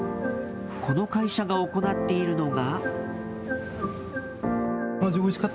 この会社が行っているのが。